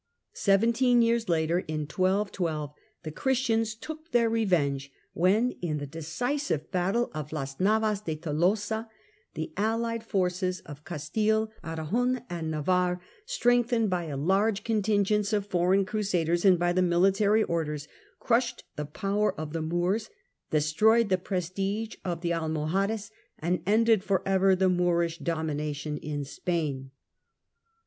Seventeen years later, in 1212, the Christians took their revenge when, in the Battle of decisive battle of Las Navas de Tolosa, the allied de Tolosa, forces of Castilc, Aragon and Navarre, strengthened by 1212 ^^'^^^'§® contingents of foreign Crusaders and by the Military Orders, crushed the power of the Moors, destroyed the prestige of the Almohades, and ended for ever the Moorish domination in Spain.